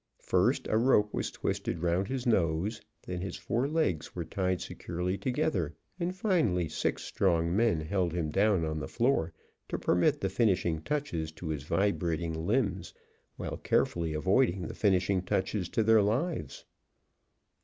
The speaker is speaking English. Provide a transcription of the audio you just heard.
First, a rope was twisted round his nose, then his four legs were tied securely together, and finally six strong men held him down on the floor to permit the finishing touches to his vibrating limbs, while carefully avoiding the finishing touches to their lives.